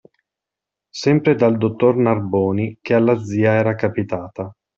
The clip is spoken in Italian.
Sempre dal dottor Narboni, che alla zia era capitata.